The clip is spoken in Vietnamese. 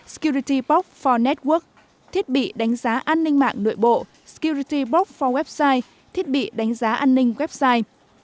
security box for network thiết bị đánh giá an ninh mạng nội bộ security box for website thiết bị đánh giá an ninh website